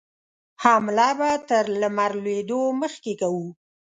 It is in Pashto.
حمله به تر لمر لوېدو مخکې کوو.